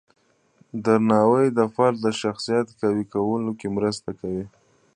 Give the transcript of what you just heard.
درناوی د فرد د شخصیت قوی کولو کې مرسته کوي.